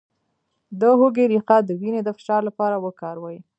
د هوږې ریښه د وینې د فشار لپاره وکاروئ